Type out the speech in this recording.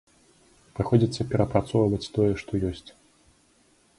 Прыходзіцца перапрацоўваць тое, што ёсць.